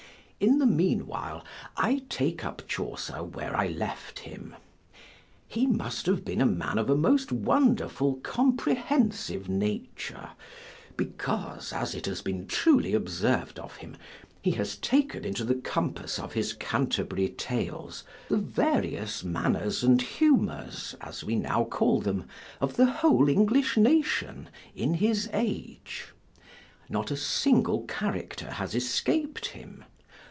In the mean while I take up Chaucer where I left him. He must have been a man of a most wonderful comprehensive nature, because, as it has been truly observed of him, he has taken into the compass of his Canterbury Tales the various manners and humors (as we now call them) of the whole English nation, in his age. Not a single character has escap'd him.